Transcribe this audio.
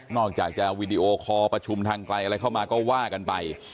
อกจากจะวีดีโอคอลประชุมทางไกลอะไรเข้ามาก็ว่ากันไป